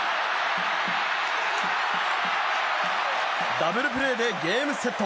ダブルプレーでゲームセット。